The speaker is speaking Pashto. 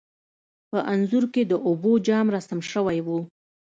په انځور کې د اوبو جام رسم شوی و.